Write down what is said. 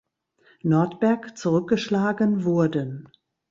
Nordberg zurückgeschlagen wurden.